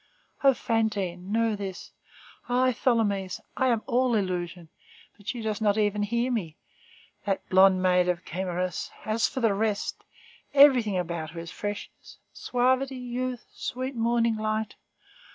O Fantine, know this: I, Tholomyès, I am an illusion; but she does not even hear me, that blond maid of Chimeras! as for the rest, everything about her is freshness, suavity, youth, sweet morning light.